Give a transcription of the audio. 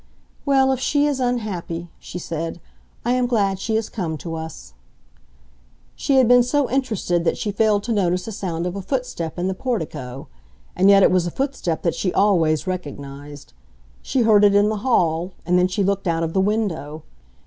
"Well, if she is unhappy," she said, "I am glad she has come to us." She had been so interested that she failed to notice the sound of a footstep in the portico; and yet it was a footstep that she always recognized. She heard it in the hall, and then she looked out of the window.